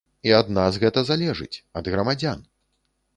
І ад нас гэта залежыць, ад грамадзян.